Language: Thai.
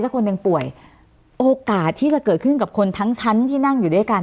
คนหนึ่งป่วยโอกาสที่จะเกิดขึ้นกับคนทั้งชั้นที่นั่งอยู่ด้วยกัน